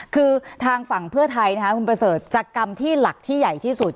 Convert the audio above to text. คือทางฝั่งเพื่อไทยนะคะคุณประเสริฐจากกรรมที่หลักที่ใหญ่ที่สุด